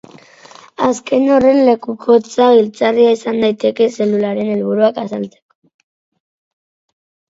Azken horren lekukotza giltzarria izan daiteke zelularen helburuak azaltzeko.